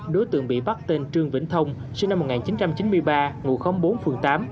đối tượng bị bắt tên trương vĩnh thông sinh năm một nghìn chín trăm chín mươi ba ngụ khóm bốn phường tám